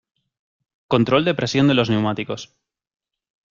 Control de presión de los neumáticos.